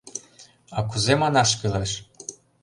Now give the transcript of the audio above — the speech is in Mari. А кузе манаш кӱлеш?